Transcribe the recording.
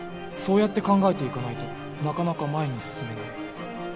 そうやって考えていかないとなかなか前に進めない。